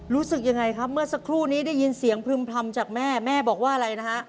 รู้สึกยังไงครับเมื่อสักครู่นี้ได้ยินเสียงพรึ่มพำจากแม่แม่บอกว่าอะไรนะฮะ